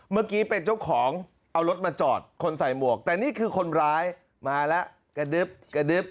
เมื่อกี้เป็นเจ้าของเอารถมาจอดคนใส่หมวกแต่นี่คือคนร้ายมาแล้วกระดึ๊บกระดึ๊บ